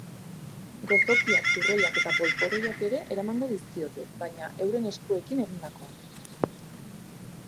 Gozokiak, turroiak eta polboroiak ere eramango dizkiote, baina euren eskuekin egindakoak.